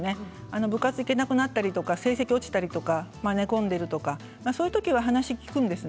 部活に行けなくなったり成績が落ちたり寝込んでいるとかそういう時には話を聞くんです。